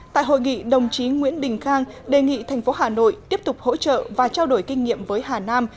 tại hội nghị đồng chí nguyễn đình khang đề nghị thành phố hà nội tiếp tục hỗ trợ và trao đổi kinh nghiệm với hà nam